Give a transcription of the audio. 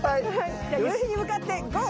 じゃあ夕日に向かってゴー！